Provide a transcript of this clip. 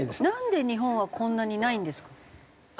なんで日本はこんなにないんですか？